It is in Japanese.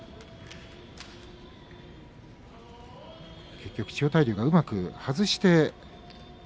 結局、千代大龍がうまく外して。